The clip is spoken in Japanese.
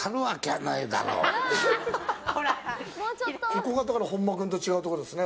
ここが本間君と違うところですね。